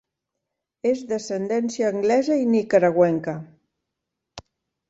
És d'ascendència anglesa i nicaragüenca.